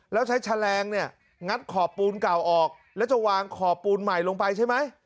แล้วใช้แฉลงเนี่ยงัดขอบปูนเก่าออกแล้วจะวางขอบปูนใหม่ลงไปใช่ไหม